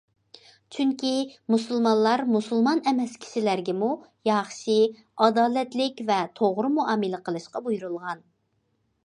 چۈنكى مۇسۇلمانلار مۇسۇلمان ئەمەس كىشىلەرگىمۇ ياخشى، ئادالەتلىك ۋە توغرا مۇئامىلە قىلىشقا بۇيرۇلغان.